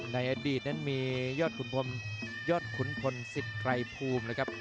ในอดีตมันมียอดขุนพล๑๐ไกรภูมิครับ